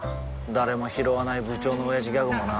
誰もひろわない部長のオヤジギャグもな